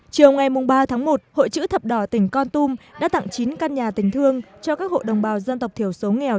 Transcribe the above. chiều ngày ba tháng một hội chữ thập đỏ tỉnh con tum đã tặng chín căn nhà tình thương cho các hộ đồng bào dân tộc thiểu số nghèo